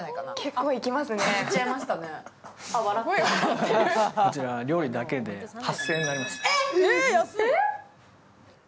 こちら、料理だけで８０００円になります。